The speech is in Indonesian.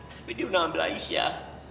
tapi dia sudah mengambil aisyah